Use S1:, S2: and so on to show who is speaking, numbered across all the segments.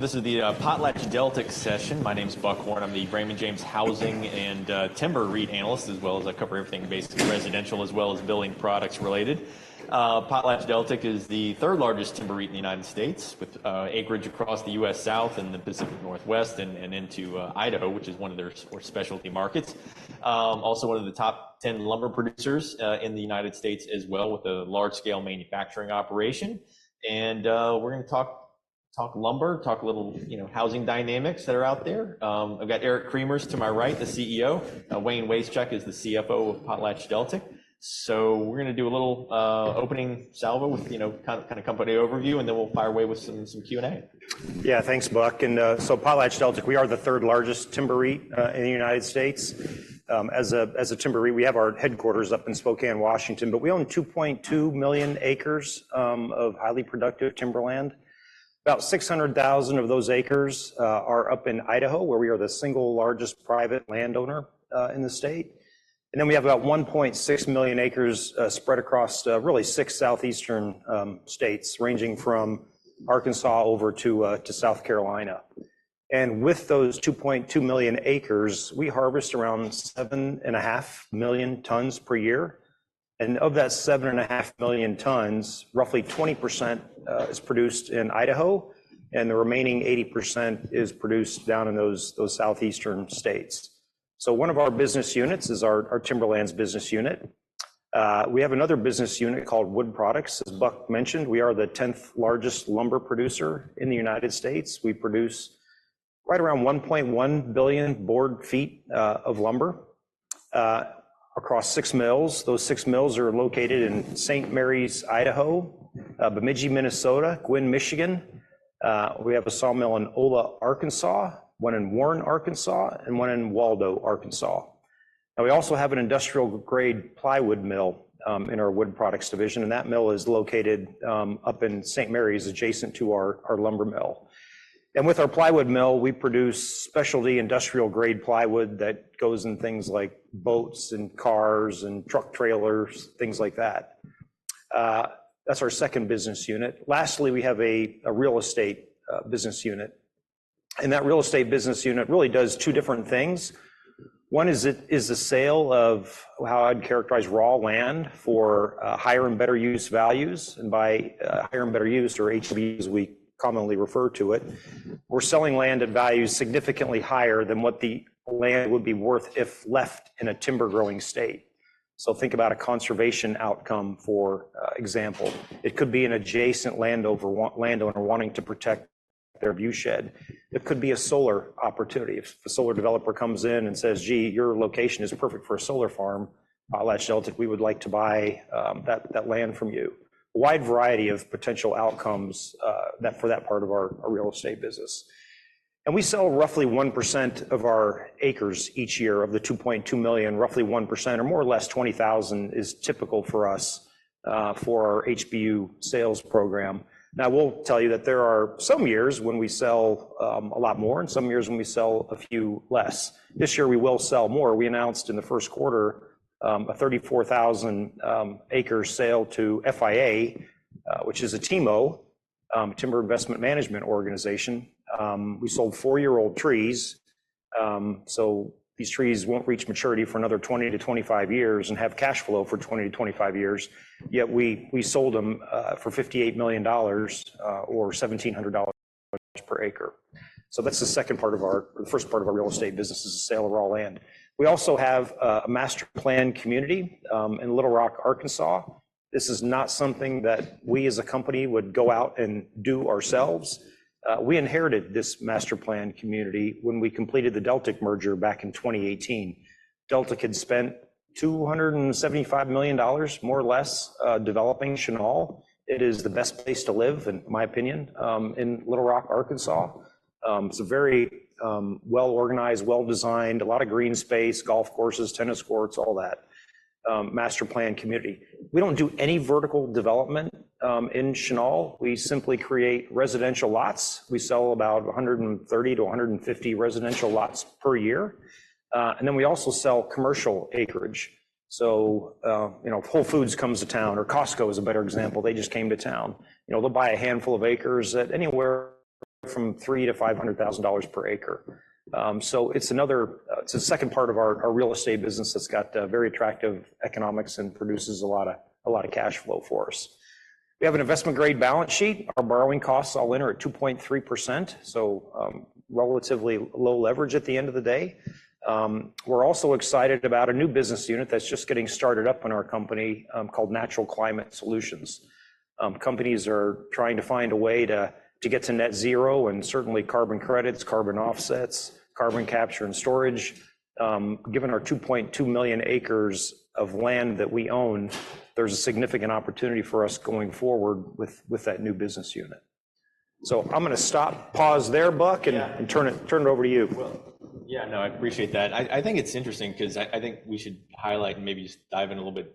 S1: This is the PotlatchDeltic session. My name's Buck Horne. I'm the Raymond James Housing and Timber REIT analyst, as well as I cover everything basically residential as well as building products related. PotlatchDeltic is the third-largest timber REIT in the United States, with acreage across the U.S. South and the Pacific Northwest and into Idaho, which is one of their sort of specialty markets. Also one of the top 10 lumber producers in the United States as well, with a large-scale manufacturing operation. We're gonna talk, talk lumber, talk a little, you know, housing dynamics that are out there. I've got Eric Cremers to my right, the CEO. Wayne Wasechek is the CFO of PotlatchDeltic. We're gonna do a little opening salvo with, you know, kind of company overview, and then we'll fire away with some, some Q&A.
S2: Yeah, thanks, Buck. And, so PotlatchDeltic, we are the third-largest timber REIT in the United States. As a timber REIT, we have our headquarters up in Spokane, Washington, but we own 2.2 million acres of highly productive timberland. About 600,000 of those acres are up in Idaho, where we are the single largest private landowner in the state. And then we have about 1.6 million acres spread across really six southeastern states, ranging from Arkansas over to South Carolina. And with those 2.2 million acres, we harvest around 7.5 million tons per year. And of that 7.5 million tons, roughly 20% is produced in Idaho, and the remaining 80% is produced down in those southeastern states. So one of our business units is our timberlands business unit. We have another business unit called Wood Products. As Buck mentioned, we are the 10th largest lumber producer in the United States. We produce right around 1.1 billion board ft of lumber across six mills. Those six mills are located in St. Maries, Idaho, Bemidji, Minnesota, Gwinn, Michigan. We have a sawmill in Ola, Arkansas, one in Warren, Arkansas, and one in Waldo, Arkansas. Now, we also have an industrial-grade plywood mill in our wood products division, and that mill is located up in St. Maries, adjacent to our lumber mill. And with our plywood mill, we produce specialty industrial-grade plywood that goes in things like boats and cars and truck trailers, things like that. That's our second business unit. Lastly, we have a real estate business unit. And that real estate business unit really does two different things. One is, it is the sale of how I'd characterize raw land for higher and better use values. And by higher and better use, or HBU as we commonly refer to it, we're selling land at values significantly higher than what the land would be worth if left in a timber-growing state. So think about a conservation outcome, for example. It could be an adjacent landowner wanting to protect their viewshed. It could be a solar opportunity. If a solar developer comes in and says, "Gee, your location is perfect for a solar farm, PotlatchDeltic, we would like to buy, that, that land from you." A wide variety of potential outcomes that for that part of our, our real estate business. And we sell roughly 1% of our acres each year of the 2.2 million. Roughly 1%, or more or less 20,000, is typical for us, for our HBU sales program. Now, I will tell you that there are some years when we sell a lot more and some years when we sell a few less. This year, we will sell more. We announced in the first quarter a 34,000-acre sale to FIA, which is a TIMO, Timber Investment Management Organization. We sold four-year-old trees. So these trees won't reach maturity for another 20-25 years and have cash flow for 20-25 years. Yet we, we sold them for $58 million, or $1,700 per acre. So that's the second part of our or the first part of our real estate business is the sale of raw land. We also have a master plan community in Little Rock, Arkansas. This is not something that we as a company would go out and do ourselves. We inherited this master plan community when we completed the Deltic merger back in 2018. Deltic had spent $275 million, more or less, developing Chenal. It is the best place to live, in my opinion, in Little Rock, Arkansas. It's a very well organized, well designed, a lot of green space, golf courses, tennis courts, all that, master plan community. We don't do any vertical development in Chenal. We simply create residential lots. We sell about 130-150 residential lots per year. And then we also sell commercial acreage. So, you know, Whole Foods comes to town, or Costco is a better example. They just came to town. You know, they'll buy a handful of acres at anywhere from $300,000-$500,000 per acre. So it's another, it's the second part of our real estate business that's got very attractive economics and produces a lot of a lot of cash flow for us. We have an investment-grade balance sheet. Our borrowing costs all in are at 2.3%. So, relatively low leverage at the end of the day. We're also excited about a new business unit that's just getting started up in our company, called Natural Climate Solutions. Companies are trying to find a way to get to net zero and certainly carbon credits, carbon offsets, carbon capture and storage. Given our 2.2 million acres of land that we own, there's a significant opportunity for us going forward with that new business unit. So I'm gonna stop, pause there, Buck, and turn it over to you.
S1: Well, yeah, no, I appreciate that. I think it's interesting 'cause I think we should highlight and maybe just dive in a little bit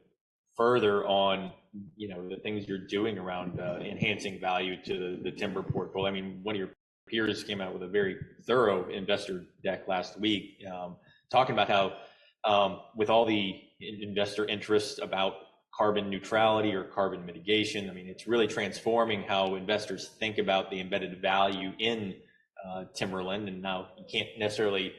S1: further on, you know, the things you're doing around enhancing value to the timber portfolio. I mean, one of your peers came out with a very thorough investor deck last week, talking about how, with all the investor interest about carbon neutrality or carbon mitigation, I mean, it's really transforming how investors think about the embedded value in timberland. And now you can't necessarily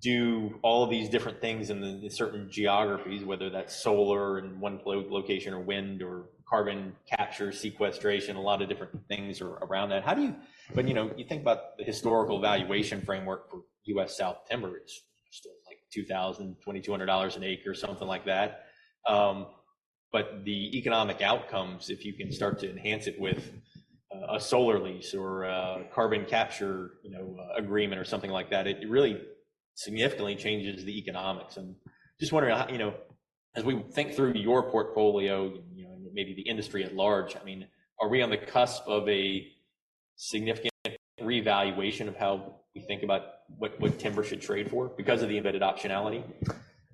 S1: do all of these different things in the certain geographies, whether that's solar in one location or wind or carbon capture, sequestration, a lot of different things are around that. How do you, you know, you think about the historical valuation framework for U.S. South timber, it's still like $2,000-$2,200 an acre or something like that. The economic outcomes, if you can start to enhance it with a solar lease or a carbon capture, you know, agreement or something like that, it really significantly changes the economics. Just wondering, you know, as we think through your portfolio, you know, and maybe the industry at large, I mean, are we on the cusp of a significant revaluation of how we think about what timber should trade for because of the embedded optionality?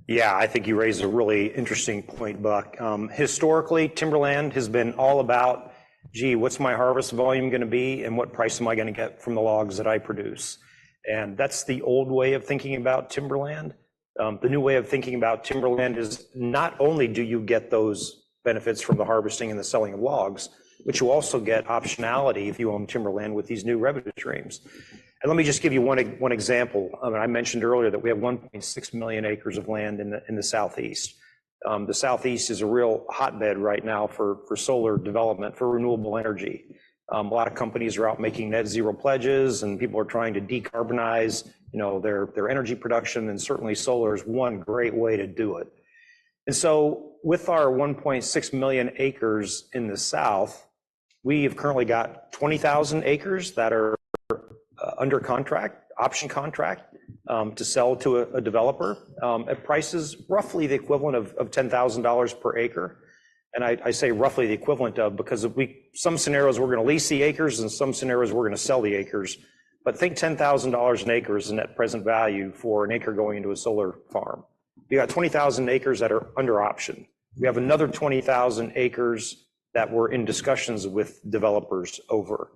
S2: Yeah, I think you raise a really interesting point, Buck. Historically, timberland has been all about, "Gee, what's my harvest volume gonna be and what price am I gonna get from the logs that I produce?" And that's the old way of thinking about timberland. The new way of thinking about timberland is not only do you get those benefits from the harvesting and the selling of logs, but you also get optionality if you own timberland with these new revenue streams. And let me just give you one example. I mean, I mentioned earlier that we have 1.6 million acres of land in the Southeast. The Southeast is a real hotbed right now for solar development, for renewable energy. A lot of companies are out making net zero pledges and people are trying to decarbonize, you know, their energy production. Certainly solar is one great way to do it. So with our 1.6 million acres in the South, we have currently got 20,000 acres that are under option contract to sell to a developer at prices roughly the equivalent of $10,000 per acre. I say roughly the equivalent of because if we some scenarios we're gonna lease the acres and some scenarios we're gonna sell the acres. But think $10,000 an acre is a net present value for an acre going into a solar farm. We got 20,000 acres that are under option. We have another 20,000 acres that we're in discussions with developers over.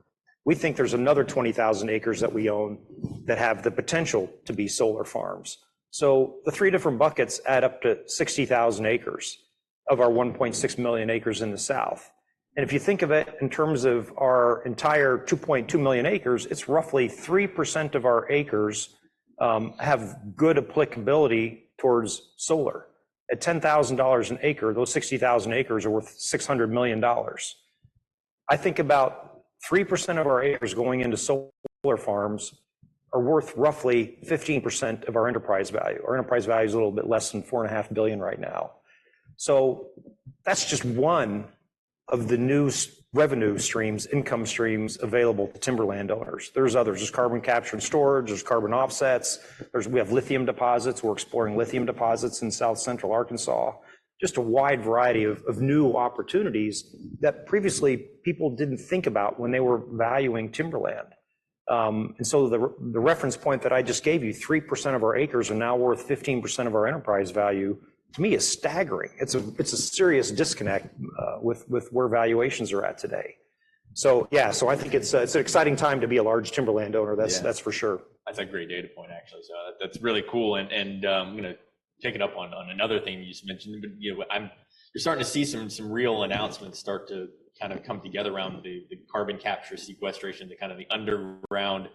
S2: We think there's another 20,000 acres that we own that have the potential to be solar farms. So the three different buckets add up to 60,000 acres of our 1.6 million acres in the South. If you think of it in terms of our entire 2.2 million acres, it's roughly 3% of our acres have good applicability towards solar. At $10,000 an acre, those 60,000 acres are worth $600 million. I think about 3% of our acres going into solar farms are worth roughly 15% of our enterprise value. Our enterprise value is a little bit less than $4.5 billion right now. So that's just one of the new revenue streams, income streams available to timberland owners. There's others. There's carbon capture and storage. There's carbon offsets. There's we have lithium deposits. We're exploring lithium deposits in South Central Arkansas. Just a wide variety of new opportunities that previously people didn't think about when they were valuing timberland. and so the reference point that I just gave you, 3% of our acres are now worth 15% of our enterprise value. To me, it's staggering. It's a serious disconnect with where valuations are at today. So yeah, so I think it's an exciting time to be a large timberland owner. That's for sure.
S1: That's a great data point, actually. So that's really cool. And I'm gonna take it up on another thing you just mentioned. But, you know, you're starting to see some real announcements start to kind of come together around the carbon capture and sequestration, the kind of the underground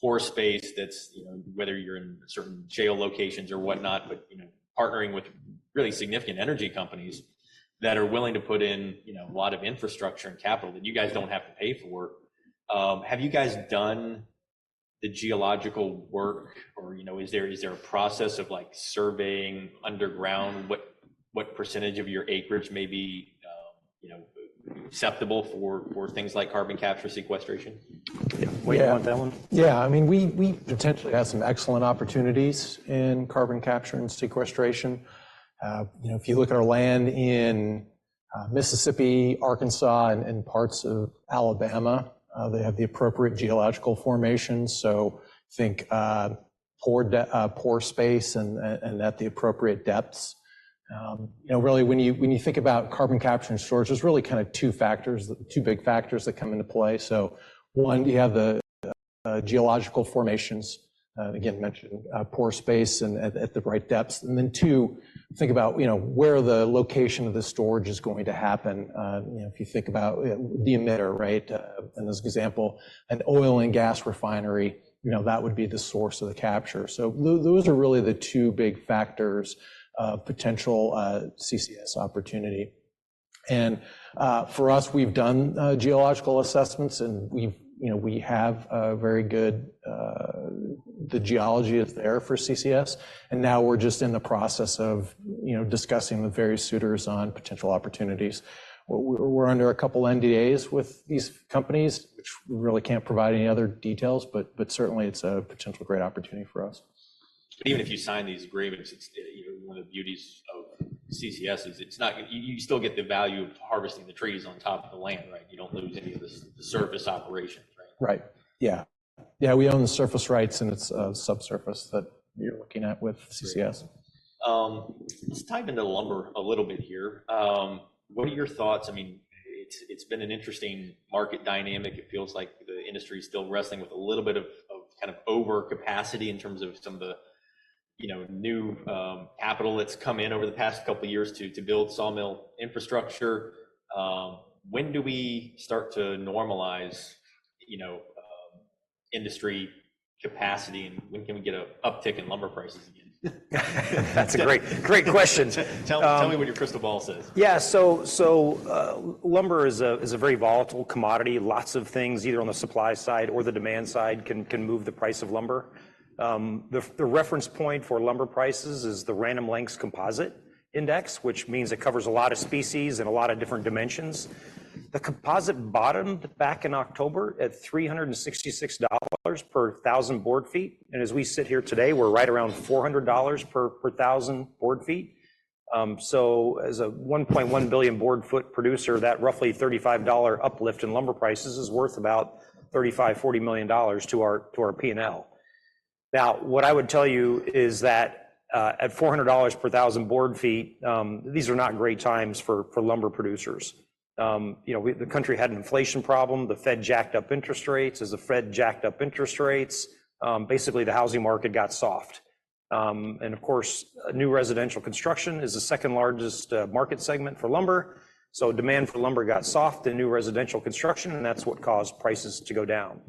S1: pore space that's, you know, whether you're in certain geological locations or whatnot, but, you know, partnering with really significant energy companies that are willing to put in, you know, a lot of infrastructure and capital that you guys don't have to pay for. Have you guys done the geological work or, you know, is there a process of like surveying underground what percentage of your acreage may be, you know, acceptable for things like carbon capture and sequestration?
S2: Yeah. Wait, you want that one?
S3: Yeah, I mean, we, we potentially have some excellent opportunities in carbon capture and sequestration. You know, if you look at our land in Mississippi, Arkansas, and parts of Alabama, they have the appropriate geological formations. So I think pore space and at the appropriate depths. You know, really when you think about carbon capture and storage, there's really kind of two factors, two big factors that come into play. So one, you have the geological formations. Again, mentioned, pore space and at the right depths. And then two, think about, you know, where the location of the storage is going to happen. You know, if you think about the emitter, right? In this example, an oil and gas refinery, you know, that would be the source of the capture. So those are really the two big factors of potential CCS opportunity. For us, we've done geological assessments and we've, you know, we have a very good, the geology is there for CCS. And now we're just in the process of, you know, discussing with various suitors on potential opportunities. We're under a couple NDAs with these companies, which we really can't provide any other details, but certainly it's a potential great opportunity for us.
S1: But even if you sign these agreements, it's, you know, one of the beauties of CCS is it's not gonna, you still get the value of harvesting the trees on top of the land, right? You don't lose any of the surface operations, right?
S3: Right. Yeah. Yeah, we own the surface rights and it's a subsurface that you're looking at with CCS.
S1: Let's dive into lumber a little bit here. What are your thoughts? I mean, it's been an interesting market dynamic. It feels like the industry's still wrestling with a little bit of kind of overcapacity in terms of some of the new capital that's come in over the past couple of years to build sawmill infrastructure. When do we start to normalize industry capacity, you know, and when can we get a uptick in lumber prices again?
S2: That's a great, great question.
S1: Tell me, tell me what your crystal ball says?
S2: Yeah, so, lumber is a very volatile commodity. Lots of things, either on the supply side or the demand side, can move the price of lumber. The reference point for lumber prices is the Random Lengths composite index, which means it covers a lot of species and a lot of different dimensions. The composite bottomed back in October at $366 per 1,000 board ft. And as we sit here today, we're right around $400 per 1,000 board ft. So as a 1.1 billion board foot producer, that roughly $35 uplift in lumber prices is worth about $35 billion to our P&L. Now, what I would tell you is that, at $400 per 1,000 board ft, these are not great times for lumber producers. You know, we, the country, had an inflation problem. The Fed jacked up interest rates. As the Fed jacked up interest rates, basically the housing market got soft. And of course, new residential construction is the second largest market segment for lumber. So demand for lumber got soft in new residential construction, and that's what caused prices to go down.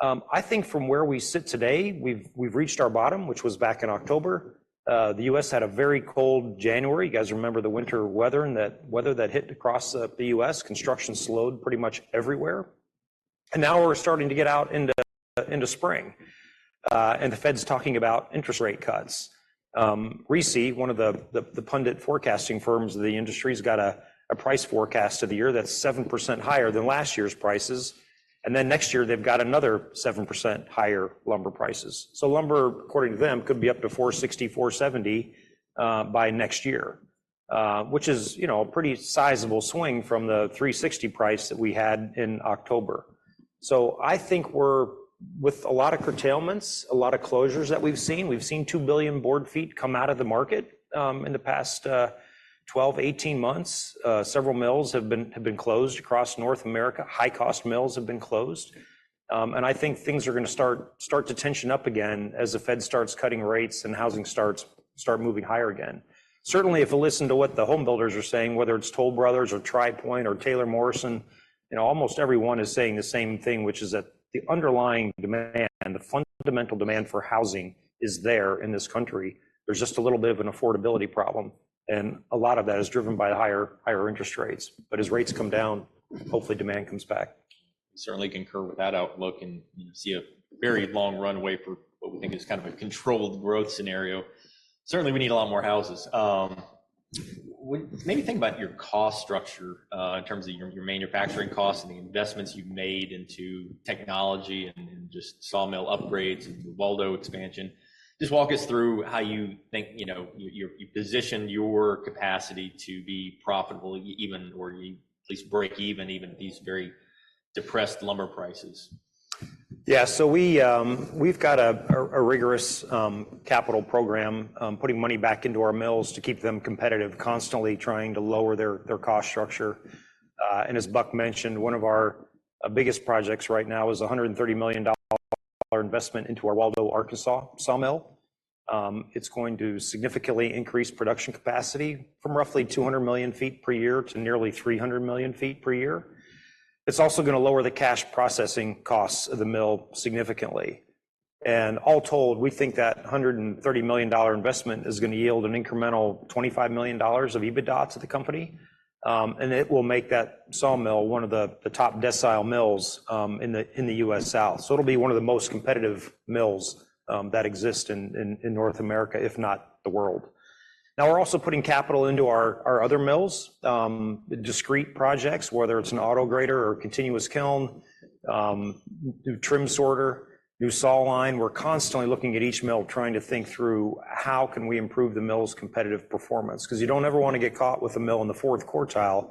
S2: I think from where we sit today, we've reached our bottom, which was back in October. The U.S. had a very cold January. You guys remember the winter weather and that weather that hit across the U.S., construction slowed pretty much everywhere. And now we're starting to get out into spring. And the Fed's talking about interest rate cuts. RISI, one of the pundit forecasting firms of the industry, has got a price forecast to the year that's 7% higher than last year's prices. And then next year they've got another 7% higher lumber prices. So lumber, according to them, could be up to $460-$470 by next year, which is, you know, a pretty sizable swing from the $360 price that we had in October. So I think we're with a lot of curtailments, a lot of closures that we've seen. We've seen 2 billion board ft come out of the market in the past 12, 18 months. Several mills have been closed across North America. High cost mills have been closed. And I think things are gonna start to tension up again as the Fed starts cutting rates and housing starts start moving higher again. Certainly, if you listen to what the homebuilders are saying, whether it's Toll Brothers or Tri Pointe or Taylor Morrison, you know, almost everyone is saying the same thing, which is that the underlying demand, the fundamental demand for housing is there in this country. There's just a little bit of an affordability problem. A lot of that is driven by higher, higher interest rates. As rates come down, hopefully demand comes back.
S1: Certainly concur with that outlook and, you know, see a very long runway for what we think is kind of a controlled growth scenario. Certainly we need a lot more houses. When maybe think about your cost structure, in terms of your manufacturing costs and the investments you've made into technology and just sawmill upgrades and Waldo expansion. Just walk us through how you think, you know, you position your capacity to be profitable even or you at least break even at these very depressed lumber prices.
S2: Yeah, so we've got a rigorous capital program, putting money back into our mills to keep them competitive, constantly trying to lower their cost structure. And as Buck mentioned, one of our biggest projects right now is a $130 million investment into our Waldo, Arkansas sawmill. It's going to significantly increase production capacity from roughly 200 million ft per year to nearly 300 million ft per year. It's also gonna lower the cash processing costs of the mill significantly. And all told, we think that $130 million investment is gonna yield an incremental $25 million of EBITDA to the company. And it will make that sawmill one of the top decile mills in the U.S. South. So it'll be one of the most competitive mills that exist in North America, if not the world. Now we're also putting capital into our, our other mills, discrete projects, whether it's an auto grader or continuous kiln, new trim sorter, new saw line. We're constantly looking at each mill, trying to think through how can we improve the mill's competitive performance. 'Cause you don't ever want to get caught with a mill in the fourth quartile.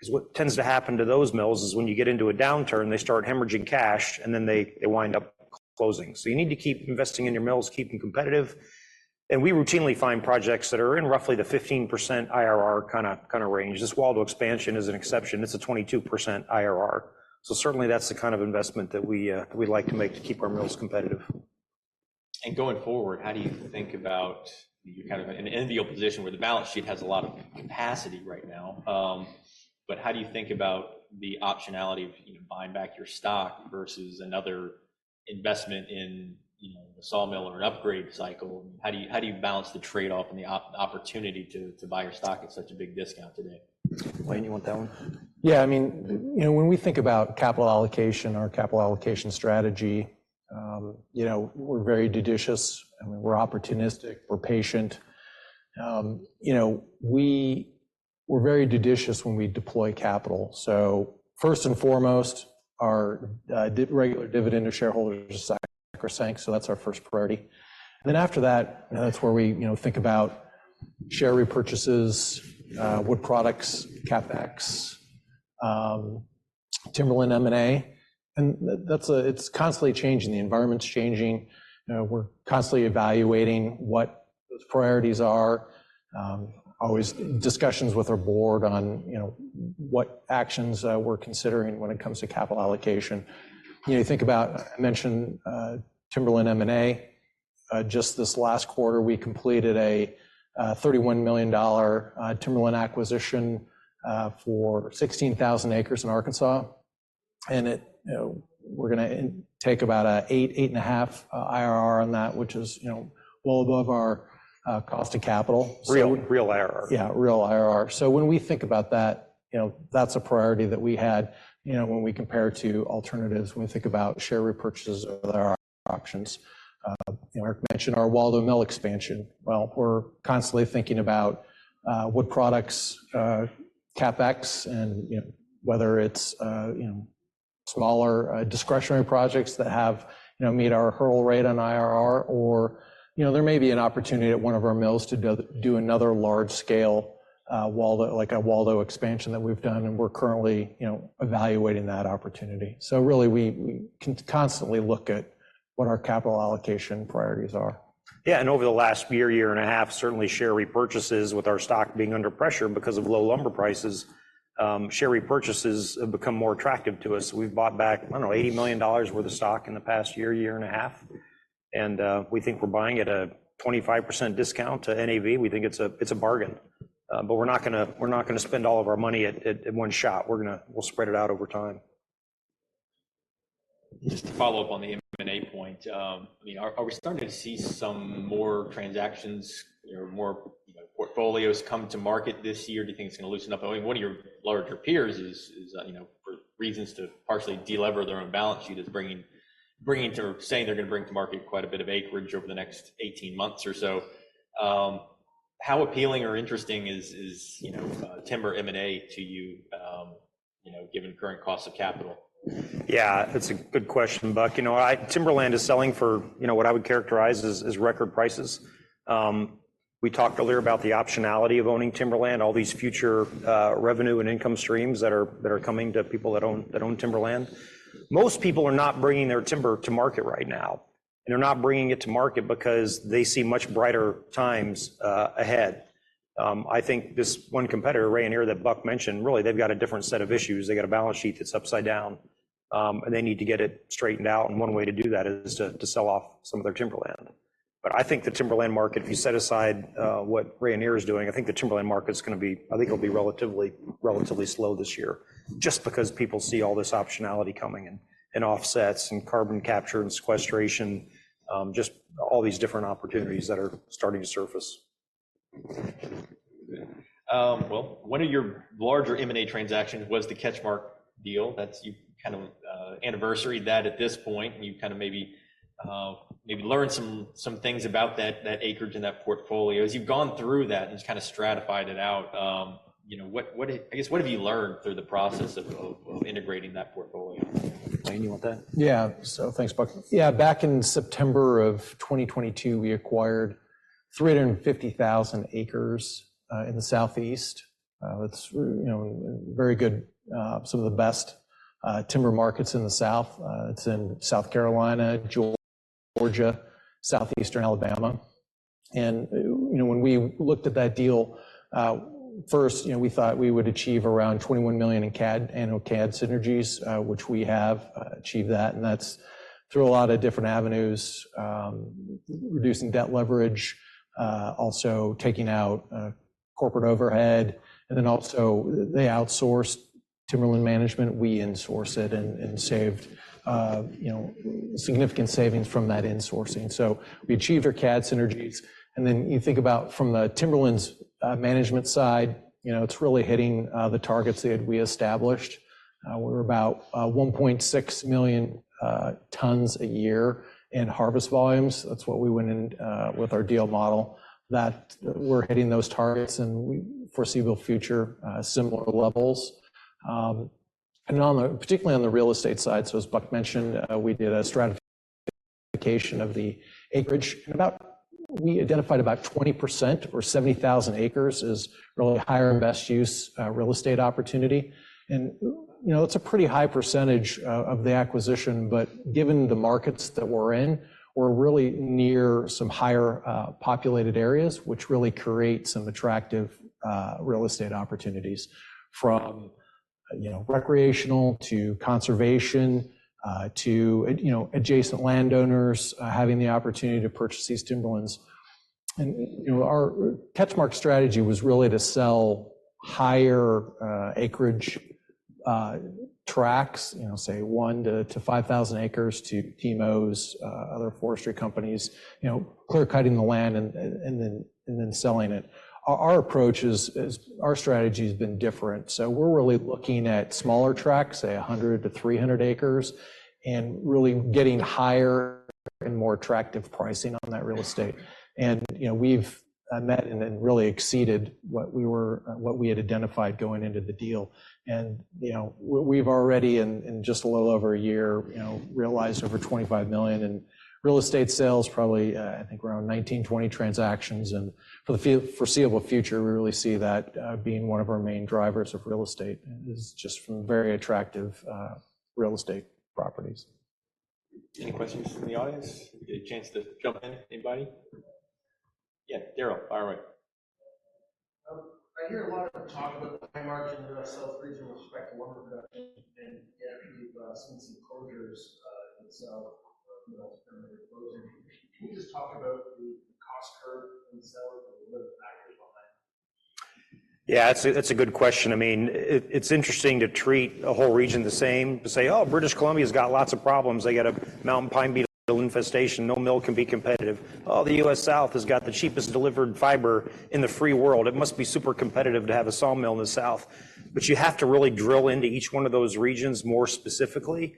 S2: 'Cause what tends to happen to those mills is when you get into a downturn, they start hemorrhaging cash and then they, they wind up closing. So you need to keep investing in your mills, keep them competitive. And we routinely find projects that are in roughly the 15% IRR kind of, kind of range. This Waldo expansion is an exception. It's a 22% IRR. So certainly that's the kind of investment that we, that we like to make to keep our mills competitive.
S1: Going forward, how do you think about your kind of a NAV position where the balance sheet has a lot of capacity right now? But how do you think about the optionality of, you know, buying back your stock versus another investment in, you know, the sawmill or an upgrade cycle? I mean, how do you, how do you balance the trade-off and the opportunity to, to buy your stock at such a big discount today?
S2: Wayne, you want that one?
S3: Yeah, I mean, you know, when we think about capital allocation, our capital allocation strategy, you know, we're very judicious. I mean, we're opportunistic. We're patient. You know, we're very judicious when we deploy capital. So first and foremost, our regular dividend to shareholders is sacrosanct. So that's our first priority. Then after that, you know, that's where we, you know, think about share repurchases, wood products, CapEx, Timberland M&A. And that's, it's constantly changing. The environment's changing. You know, we're constantly evaluating what those priorities are. Always discussions with our board on, you know, what actions we're considering when it comes to capital allocation. You know, you think about, I mentioned, Timberland M&A. Just this last quarter, we completed a $31 million Timberland acquisition for 16,000 acres in Arkansas. It, you know, we're gonna take about an 8-8.5 IRR on that, which is, you know, well above our cost of capital.
S2: Real, real IRR.
S3: Yeah, real IRR. So when we think about that, you know, that's a priority that we had, you know, when we compare to alternatives, when we think about share repurchases or their options. You know, Eric mentioned our Waldo mill expansion. Well, we're constantly thinking about wood products CapEx and, you know, whether it's, you know, smaller discretionary projects that have, you know, met our hurdle rate on IRR or, you know, there may be an opportunity at one of our mills to do another large scale, Waldo-like expansion that we've done. And we're currently, you know, evaluating that opportunity. So really we can constantly look at what our capital allocation priorities are.
S2: Yeah, and over the last year, year and a half, certainly share repurchases with our stock being under pressure because of low lumber prices. Share repurchases have become more attractive to us. We've bought back, I don't know, $80 million worth of stock in the past year, year and a half. And, we think we're buying at a 25% discount to NAV. We think it's a, it's a bargain. But we're not gonna, we're not gonna spend all of our money at, at, at one shot. We're gonna, we'll spread it out over time.
S1: Just to follow up on the M&A point, I mean, are we starting to see some more transactions, you know, more portfolios come to market this year? Do you think it's gonna loosen up? I mean, one of your larger peers is, you know, for reasons to partially deleverage their own balance sheet is bringing to market, saying they're gonna bring to market quite a bit of acreage over the next 18 months or so. How appealing or interesting is, you know, timber M&A to you, you know, given current cost of capital?
S2: Yeah, that's a good question, Buck. You know, our timberland is selling for, you know, what I would characterize as, as record prices. We talked earlier about the optionality of owning timberland, all these future, revenue and income streams that are, that are coming to people that own, that own timberland. Most people are not bringing their timber to market right now. And they're not bringing it to market because they see much brighter times ahead. I think this one competitor, Rayonier that Buck mentioned, really they've got a different set of issues. They got a balance sheet that's upside down, and they need to get it straightened out. And one way to do that is to, to sell off some of their timberland. But I think the timberland market, if you set aside what Rayonier is doing, I think the timberland market's gonna be, I think it'll be relatively, relatively slow this year. Just because people see all this optionality coming and, and offsets and carbon capture and sequestration, just all these different opportunities that are starting to surface.
S1: Well, one of your larger M&A transactions was the CatchMark deal. That's you kind of, anniversary that at this point you kind of maybe, maybe learned some, some things about that, that acreage and that portfolio. As you've gone through that and just kind of stratified it out, you know, what, what I guess what have you learned through the process of, of, of integrating that portfolio?
S2: Wayne, you want that?
S3: Yeah, so thanks, Buck. Yeah, back in September of 2022, we acquired 350,000 acres in the Southeast. That's, you know, very good, some of the best timber markets in the South. It's in South Carolina, Georgia, Southeastern Alabama. And, you know, when we looked at that deal, first, you know, we thought we would achieve around $21 million in CAD, annual CAD synergies, which we have achieved that. And that's through a lot of different avenues, reducing debt leverage, also taking out corporate overhead. And then also they outsourced Timberland management. We insource it and, and saved, you know, significant savings from that insourcing. So we achieved our CAD synergies. And then you think about from the timberlands management side, you know, it's really hitting the targets that we established. We're about 1.6 million tons a year in harvest volumes. That's what we went in with our deal model. That we're hitting those targets and in the foreseeable future, similar levels. And on the particularly on the real estate side, so as Buck mentioned, we did a stratification of the acreage and we identified about 20% or 70,000 acres as really higher and better use, real estate opportunity. And, you know, it's a pretty high percentage of the acquisition, but given the markets that we're in, we're really near some highly populated areas, which really create some attractive real estate opportunities from, you know, recreational to conservation, to, you know, adjacent landowners having the opportunity to purchase these timberlands. And, you know, our CatchMark strategy was really to sell higher-acreage tracts, you know, say 1-5,000 acres to TIMOs, other forestry companies, you know, clear cutting the land and then selling it. Our approach is our strategy has been different. So we're really looking at smaller tracts, say 100-300 acres. And really getting higher and more attractive pricing on that real estate. And, you know, we've met and really exceeded what we had identified going into the deal. And, you know, we've already in just a little over a year, you know, realized over $25 million in real estate sales probably, I think around 19-20 transactions. And for the foreseeable future, we really see that being one of our main drivers of real estate is just from very attractive real estate properties.
S1: Any questions from the audience? A chance to jump in, anybody? Yeah, Daryl, by the way.
S4: I hear a lot of talk about the high margin of the South region with respect to lumber production. And yeah, you've seen some closures in the South, you know, closing. Can you just talk about the cost curve in the South and what are the factors behind it?
S2: Yeah, that's a, that's a good question. I mean, it, it's interesting to treat a whole region the same to say, oh, British Columbia's got lots of problems. They got a mountain pine beetle infestation. No mill can be competitive. Oh, the U.S. South has got the cheapest delivered fiber in the free world. It must be super competitive to have a sawmill in the South. But you have to really drill into each one of those regions more specifically. And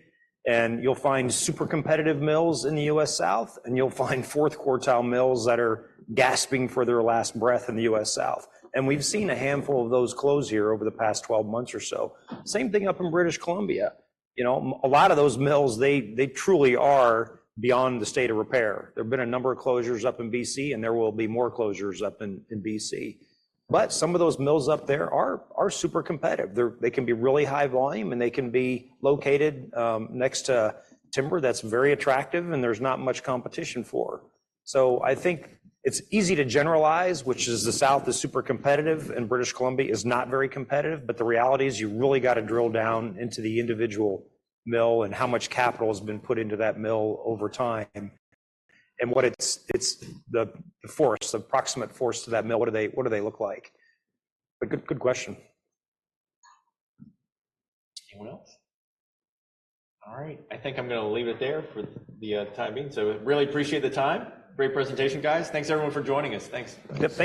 S2: you'll find super competitive mills in the U.S. South and you'll find fourth quartile mills that are gasping for their last breath in the U.S. South. And we've seen a handful of those close here over the past 12 months or so. Same thing up in British Columbia. You know, a lot of those mills, they, they truly are beyond the state of repair. There've been a number of closures up in B.C. and there will be more closures up in B.C. But some of those mills up there are super competitive. They can be really high volume and they can be located next to timber that's very attractive and there's not much competition for. So I think it's easy to generalize, which is the South is super competitive and British Columbia is not very competitive, but the reality is you really gotta drill down into the individual mill and how much capital has been put into that mill over time. And what it's the force, the approximate force to that mill, what do they look like? But good question.
S1: Anyone else? All right, I think I'm gonna leave it there for the time being. So really appreciate the time. Great presentation, guys. Thanks everyone for joining us. Thanks.
S3: Thanks.